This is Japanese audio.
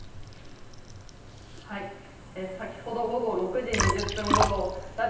先ほど午後６時２０分ごろ、だ